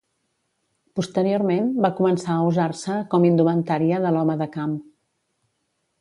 Posteriorment va començar a usar-se com indumentària de l'home de camp.